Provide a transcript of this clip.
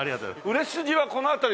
売れ筋はこの辺りで？